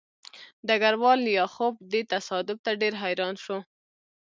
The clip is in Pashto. ډګروال لیاخوف دې تصادف ته ډېر حیران شو